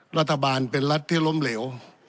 รัฐบาลเป็นรัฐที่ล้มเหลว